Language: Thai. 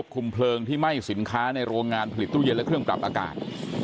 คุมเพลิงที่ไหม้สินค้าในโรงงานผลิตตู้เย็นและเครื่องปรับอากาศ